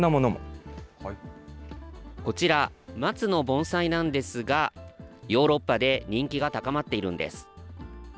こちら、松の盆栽なんですが、ヨーロッパで人気が高まっているんです。